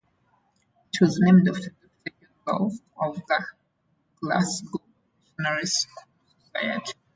It was named after Doctor John Love of the Glasgow Missionary Society.